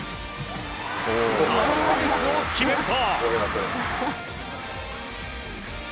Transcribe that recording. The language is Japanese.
サービスエースを決めると。